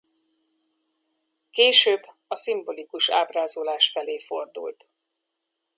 Később a szimbolikus ábrázolás felé fordult.